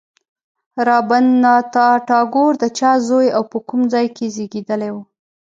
رابندر ناته ټاګور د چا زوی او په کوم ځای کې زېږېدلی و.